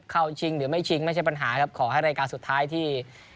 ชิงหรือไม่ชิงไม่ใช่ปัญหาครับขอให้รายการสุดท้ายที่